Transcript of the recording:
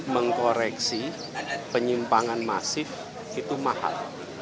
mengkoreksi penyimpangan masif itu mahal